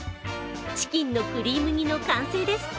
チキンのクリーム煮の完成です。